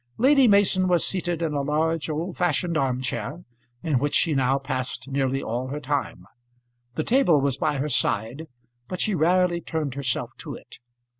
Lady Mason was seated in a large old fashioned arm chair, in which she now passed nearly all her time. The table was by her side, but she rarely turned herself to it.